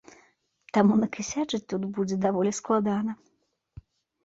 Таму накасячыць тут будзе даволі складана.